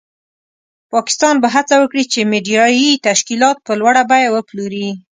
پاکستان به هڅه وکړي چې میډیایي تشکیلات په لوړه بیه وپلوري.